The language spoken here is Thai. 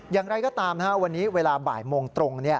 อย่างไรก็ตามวันนี้เวลาบ่ายโมงตรง